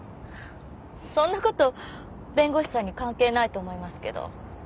そんな事弁護士さんに関係ないと思いますけど。